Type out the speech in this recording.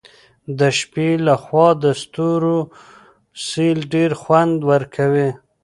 د شپې له خوا د ستورو سیل ډېر خوند ورکوي.